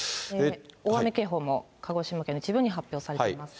大雨警報も、鹿児島県の一部に発表されています。